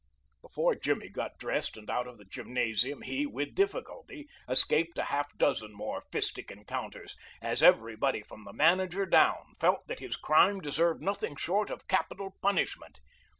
Before Jimmy got dressed and out of the gymnasium he, with difficulty, escaped a half dozen more fistic encounters, as everybody from the manager down felt that his crime deserved nothing short of capital punishment.